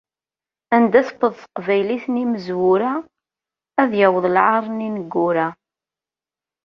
Anda tewweḍ teqbaylit n yimezwura, ad yaweḍ lɛar n yineggura.